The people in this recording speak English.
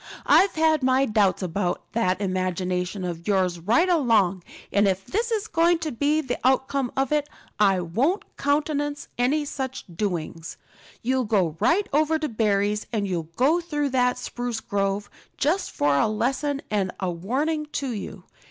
I've had my doubts about that imagination of yours right along, and if this is going to be the outcome of it, I won't countenance any such doings. You'll go right over to Barry's, and you'll go through that spruce grove, just for a lesson and a warning to you.